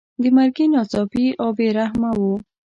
د مرګي ناڅاپي او بې رحمه وو.